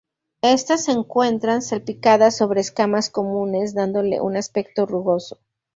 Estas se encuentran salpicadas sobre escamas comunes, dándole un aspecto rugoso.